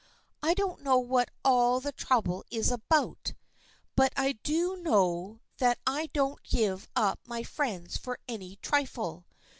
I don't know what all the trouble is about, but I do know that I don't give up my friends for any trifle.